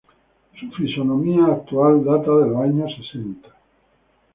Su fisonomía actual data de los años sesenta.